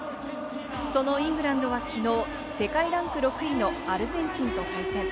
そのイングランドはきのう、世界ランク６位のアルゼンチンと対戦。